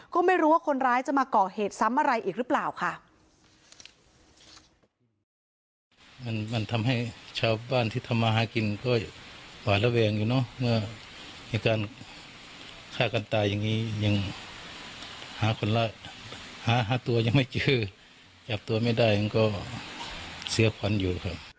ก็ไม่รู้ว่าคนร้ายจะมาก่อเหตุซ้ำอะไรอีกหรือเปล่าค่ะ